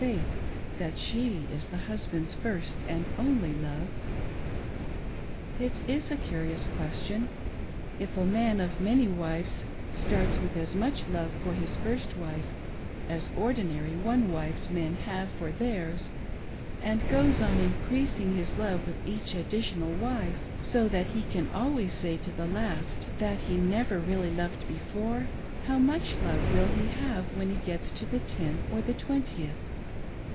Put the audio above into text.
faith that she is the husband's first and only love. It is a curious question :— If a man of many wives starts with as much love for his first wife as ordinary one wifed men have for theirs, and goes on increasing his love with each addition^ wife, so that he can always say to the last that "he never really loved before ;" how much love will he have when he gets to the tenth or the twentieth